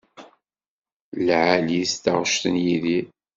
Lɛali-tt taɣect n Yidir.